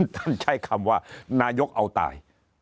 ท่านใช้คำว่านายกเอาตาย